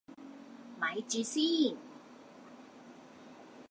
咪住先